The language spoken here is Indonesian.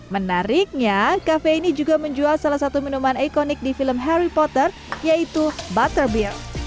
menariknya kafe ini juga menjual salah satu minuman ikonik di film harry potter yaitu butter bear